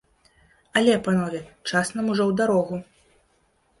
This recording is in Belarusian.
Але, панове, час нам ужо ў дарогу!